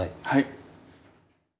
はい。